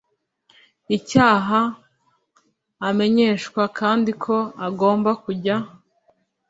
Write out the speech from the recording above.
icyaha amenyeshwa kandi ko agomba kujya